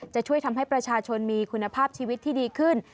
จะช่วยทำให้ประชาชนมีคุณภาพชีวิตที่ดีขึ้น